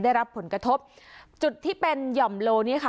ได้รับผลกระทบจุดที่เป็นหย่อมโลนี้ค่ะ